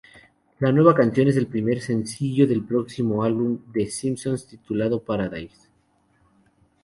La nueva canción es el primer sencillo del próximo álbum de Simpson titulado Paradise.